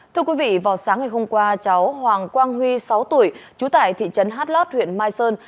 thưa quý vị vào sáng ngày hôm qua cháu hoàng quang huy sáu tuổi trú tại thị trấn hát lót huyện mai sơn